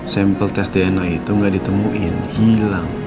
sample tes dna itu gak ditemuin hilang